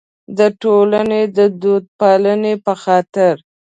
د ټولنې د دودپالنې په خاطر.